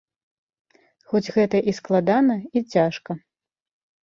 Хоць гэта і складана, і цяжка.